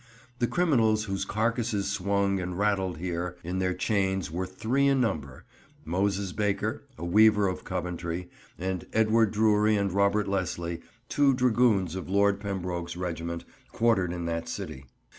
The criminals whose carcases swung and rattled here in their chains were three in number; Moses Baker, a weaver of Coventry, and Edward Drury and Robert Leslie, two dragoons of Lord Pembroke's regiment, quartered in that city.